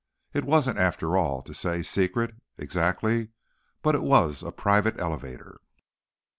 It wasn't, after all, to say, secret, exactly, but it was a private elevator."